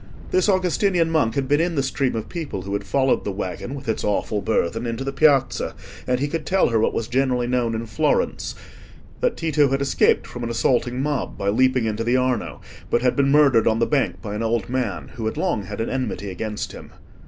This Augustinian monk had been in the stream of people who had followed the waggon with its awful burthen into the Piazza, and he could tell her what was generally known in Florence—that Tito had escaped from an assaulting mob by leaping into the Arno, but had been murdered on the bank by an old man who had long had an enmity against him.